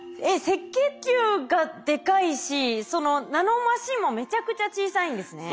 赤血球がでかいしそのナノマシンもめちゃくちゃ小さいんですね。